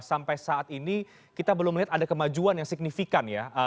sampai saat ini kita belum melihat ada kemajuan yang signifikan ya